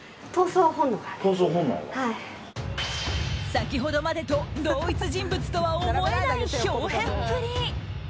先ほどまでと同一人物とは思えない豹変っぷり。